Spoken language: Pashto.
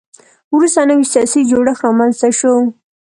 وروسته نوی سیاسي جوړښت رامنځته شو